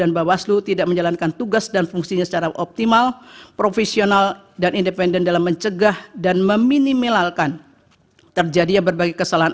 bawaslu tidak menjalankan tugas dan fungsinya secara optimal profesional dan independen dalam mencegah dan meminimalkan terjadinya berbagai kesalahan